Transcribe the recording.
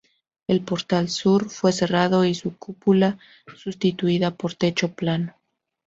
El portal sur fue cerrado y su cúpula sustituida por techo plano.